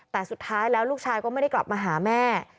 แต่สุดท้ายแล้วลูกชายก็ไม่ได้กลับมาหาแม่